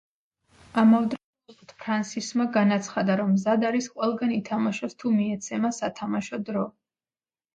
ამავდროულად ფრანსისმა განაცხადა, რომ მზად არის ყველგან ითამაშოს თუ მიეცემა სათამაშო დრო.